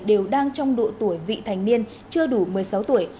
đều đang trong độ tuổi vị thành niên chưa đủ một mươi sáu tuổi